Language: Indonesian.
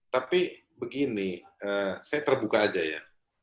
tapi begini saya terbuka aja ya